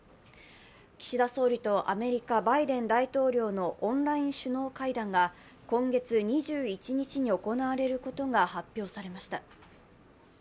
岸田総理とアメリカ・バイデン大統領のオンライン首脳会談が今月２１日に行われることが発表されました。